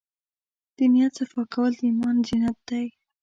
د نیت صفا کول د ایمان زینت دی.